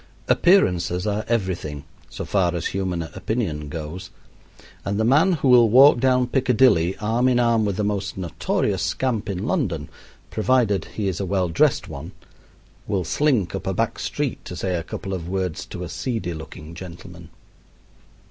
Appearances are everything, so far as human opinion goes, and the man who will walk down Piccadilly arm in arm with the most notorious scamp in London, provided he is a well dressed one, will slink up a back street to say a couple of words to a seedy looking gentleman.